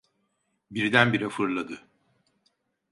Birdenbire fırladı.